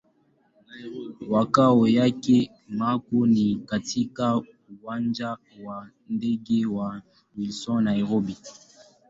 Makao yake makuu ni katika Uwanja wa ndege wa Wilson, Nairobi.